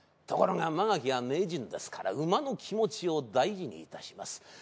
ところが曲垣は名人ですから馬の気持ちを大事にいたします。